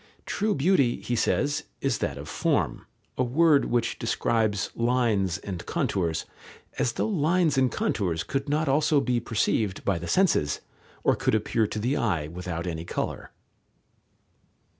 True beauty, he says, is that of form, a word which describes lines and contours, as though lines and contours could not also be perceived by the senses, or could appear to the eye without any colour.